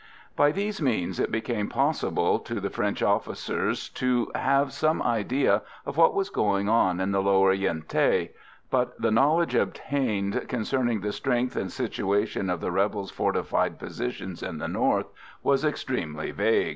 By these means it became possible to the French officers to have some idea of what was going on in the lower Yen Thé, but the knowledge obtained concerning the strength and situation of the rebels' fortified positions in the north was extremely vague.